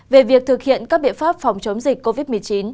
về việc thực hiện các biện pháp phòng chống dịch covid một mươi chín